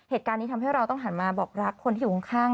เหตุการณ์นี้ทำให้เราต้องหันมาบอกรักคนที่อยู่ข้าง